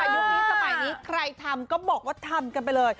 ยุคนี้สมัยนี้ใครทำก็บอกว่าทำกันไปเลย